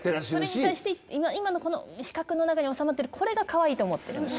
それに対して、今のこの四角の中に収まってる人がかわいいと思ってる。